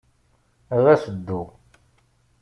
Ɣas ddu.